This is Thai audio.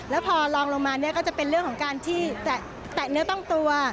แล้วพอลองลงมาเนี่ยก็จะเป็นเรื่องของการที่แตะเนื้อต้องตัว